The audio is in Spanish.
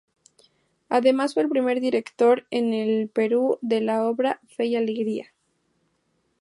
Además, fue el primer director en el Perú de la obra "Fe y Alegría".